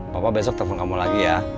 papa besok telepon kamu lagi ya